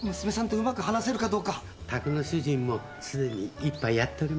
宅の主人もすでに一杯やっておりますので。